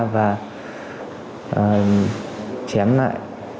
và chém lại